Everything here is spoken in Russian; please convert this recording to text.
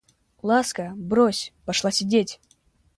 Ласка, брось, пошла сидеть!